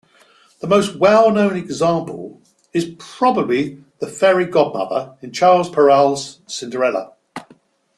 The most well-known example is probably the fairy godmother in Charles Perrault's "Cinderella".